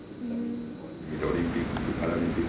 オリンピック・パラリンピック